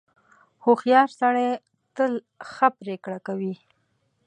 • هوښیار سړی تل ښه پرېکړه کوي.